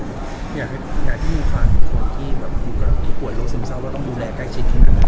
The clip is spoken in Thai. อยากให้ผ่านทุกคนที่อยู่กับผู้ป่วยโรคซึมเศร้าเราต้องดูแลใกล้ชิดแค่นั้น